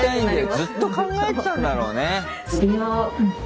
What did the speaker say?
ずっと考えてたんだろうね。